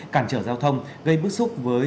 cản trở giao thông gây bức xúc với